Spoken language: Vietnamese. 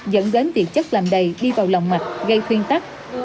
dẫn đến tiêm chất làm đầy đi vào lòng mạch gây thuyên tắt